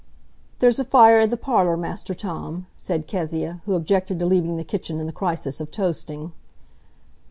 "There's a fire i' the parlour, Master Tom," said Kezia, who objected to leaving the kitchen in the crisis of toasting.